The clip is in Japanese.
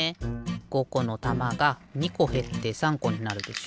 ５このたまが２こへって３こになるでしょ。